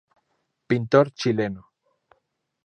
Pintor chileno.